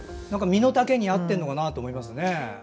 身の丈に合ってるのかなと思いますね。